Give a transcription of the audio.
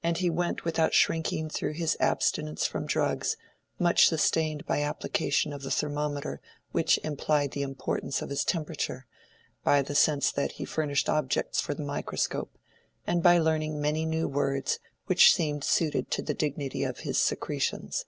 And he went without shrinking through his abstinence from drugs, much sustained by application of the thermometer which implied the importance of his temperature, by the sense that he furnished objects for the microscope, and by learning many new words which seemed suited to the dignity of his secretions.